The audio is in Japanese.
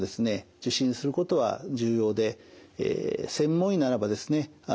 受診することは重要で専門医ならばですね